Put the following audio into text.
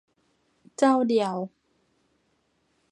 เจ้าเดียว !